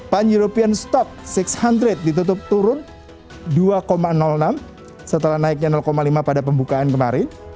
pan european stock enam ratus ditutup turun dua enam setelah naiknya lima pada pembukaan kemarin